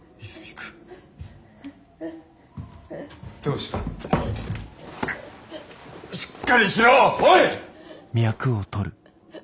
しっかりしろッ！